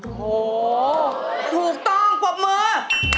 โอ้โหถูกต้องปรบมือ